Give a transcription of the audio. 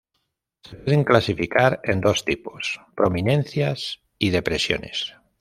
Se pueden clasificar en dos tipos: prominencias y depresiones.